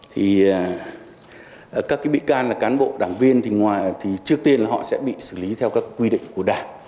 thì các cái bị can là cán bộ đảng viên thì ngoài thì trước tiên là họ sẽ bị xử lý theo các quy định của đảng